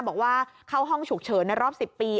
บอกว่าเข้าห้องฉุกเฉินในรอบ๑๐ปี